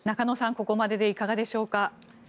ここまででいかがでしょうか。